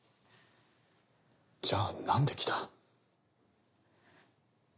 じゃあ何で来た？